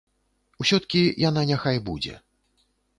Усё-ткі яна няхай будзе.